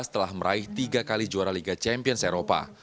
telah meraih tiga kali juara liga champions eropa